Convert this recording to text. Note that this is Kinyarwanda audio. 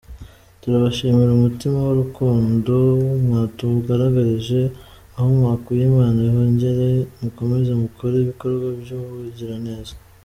Turabashimira umutima w’urukundo mwatugaragarije, aho mwakuye Imana ihongere mukomeze mukore ibikorwa by’ubugiraneza.